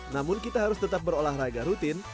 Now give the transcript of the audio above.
namun kita harus tetap berolahraga rutin